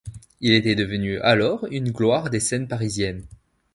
Il était devenu alors une gloire des scènes parisiennes.